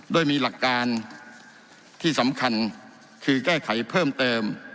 โดยมีหลักการที่สำคัญคือแก้ไขเพิ่มเติม